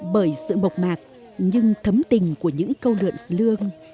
bởi sự mộc mạc nhưng thấm tình của những câu lượn sơ lương